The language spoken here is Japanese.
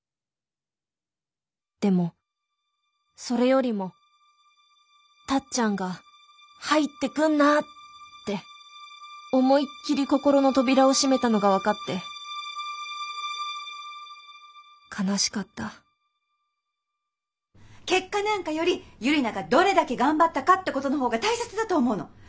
でもそれよりもタッちゃんが「入ってくんな！」って思いっきり心の扉を閉めたのが分かって悲しかった結果なんかよりユリナがどれだけ頑張ったかってことの方が大切だと思うの。